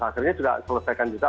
akhirnya juga selesaikan juga